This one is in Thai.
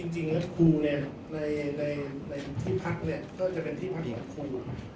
จริงนะครูเนี่ยในที่พักเนี่ยก็จะเป็นที่พักกับครู